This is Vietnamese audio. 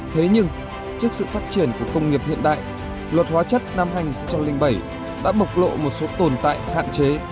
thế nhưng trước sự phát triển của công nghiệp hiện đại luật hóa chất năm hai nghìn bảy đã bộc lộ một số tồn tại hạn chế